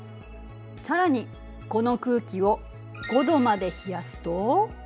さらにこの空気を５度まで冷やすと。